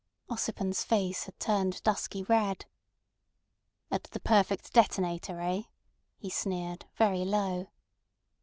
Ossipon's face had turned dusky red. "At the perfect detonator—eh?" he sneered, very low.